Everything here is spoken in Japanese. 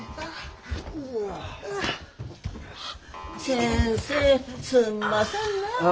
先生すんませんなあ。